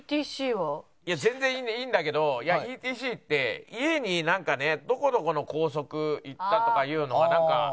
いや全然いいんだけどＥＴＣって家になんかねどこどこの高速行ったとかいうのがなんか。